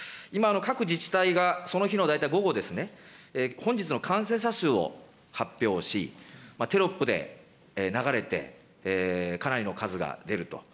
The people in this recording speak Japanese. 今、各自治体がその日の大体午後ですね、本日の感染者数を発表し、テロップで流れて、かなりの数が出ると。